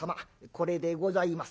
これでございます」。